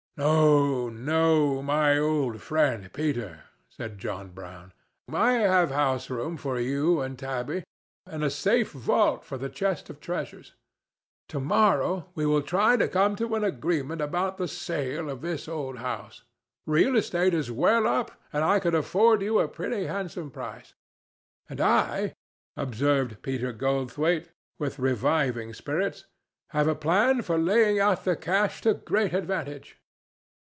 "No, no, my old friend Peter!" said John Brown. "I have house room for you and Tabby, and a safe vault for the chest of treasure. To morrow we will try to come to an agreement about the sale of this old house; real estate is well up, and I could afford you a pretty handsome price." "And I," observed Peter Goldthwaite, with reviving spirits, "have a plan for laying out the cash to great advantage."